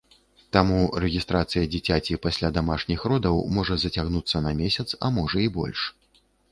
Таму рэгістрацыя дзіцяці пасля дамашніх родаў можа зацягнуцца на месяц, а можа, і больш.